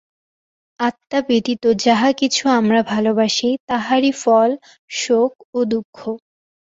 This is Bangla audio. আত্মা ব্যতীত যাহা কিছু আমরা ভালবাসি, তাহারই ফল শোক ও দুঃখ।